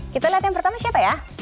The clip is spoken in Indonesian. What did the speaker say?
kita lihat yang pertama siapa ya